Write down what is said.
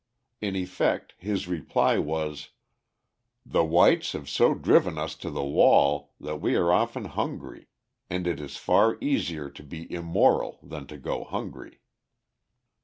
In effect his reply was: "The whites have so driven us to the wall that we are often hungry, and it is far easier to be immoral than to go hungry."